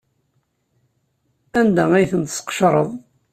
Anda ay tent-tesqecreḍ?